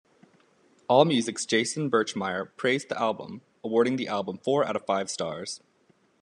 AllMusic's Jason Birchmeier praised the album, awarding the album four out of five stars.